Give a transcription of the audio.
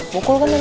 bukul kan tante